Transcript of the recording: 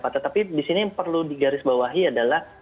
tetapi disini yang perlu digarisbawahi adalah